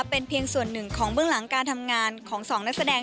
เป็นเพียงส่วนหนึ่งของเบื้องหลังการทำงานของสองนักแสดง